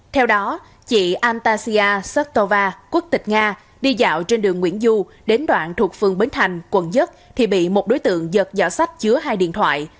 theo đó chị antasia sotova quốc tịch nga đi dạo trên đường nguyễn du đến đoạn thuộc phường bến thành quận một thì bị một đối tượng giật giỏ sách chứa hai điện thoại